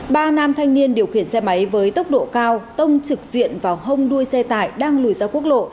ba nam thanh niên điều khiển xe máy với tốc độ cao tông trực diện vào hông đuôi xe tải đang lùi ra quốc lộ